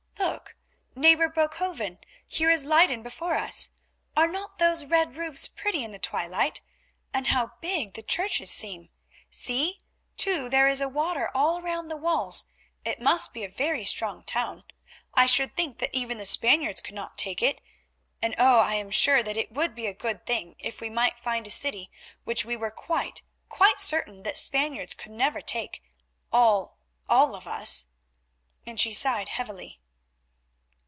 Look, neighbour Broekhoven, here is Leyden before us. Are not those red roofs pretty in the twilight, and how big the churches seem. See, too, there is water all round the walls; it must be a very strong town. I should think that even the Spaniards could not take it, and oh! I am sure that it would be a good thing if we might find a city which we were quite, quite certain the Spaniards could never take—all, all of us," and she sighed heavily.